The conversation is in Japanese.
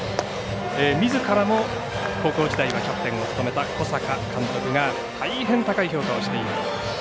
みずからも高校時代はキャプテンを務めた小坂監督が大変高い評価をしています。